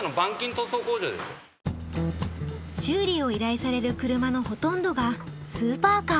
修理を依頼される車のほとんどがスーパーカー。